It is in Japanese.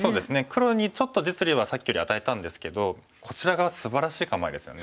黒にちょっと実利はさっきより与えたんですけどこちらがすばらしい構えですよね。